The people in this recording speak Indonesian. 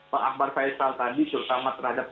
pak akbar faisal tadi terutama terhadap